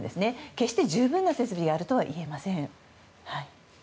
決して十分な設備があるとはいえません。